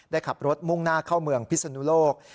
ขับรถมุ่งหน้าเข้าเมืองพิศนุโลก